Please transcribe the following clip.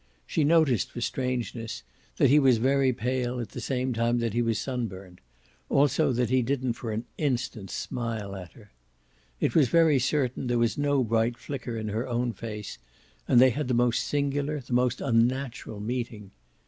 She noticed, for strangeness, that he was very pale at the same time that he was sunburnt; also that he didn't for an instant smile at her. It was very certain there was no bright flicker in her own face, and they had the most singular, the most unnatural meeting.